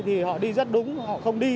thì họ đi rất đúng họ không đi